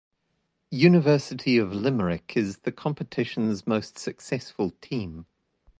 University of Limerick is the competitions most successful team.